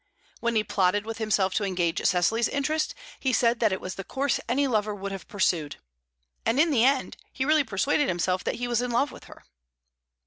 When he plotted with himself to engage Cecily's interest, he said that it was the course any lover would have pursued. And in the end he really persuaded himself that he was in love with her.